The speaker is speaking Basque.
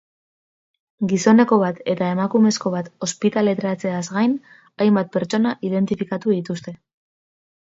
Gizoneko bat eta emakumezko bat ospitaleratzeaz gain, hainbat pertsona identifikatu dituzte.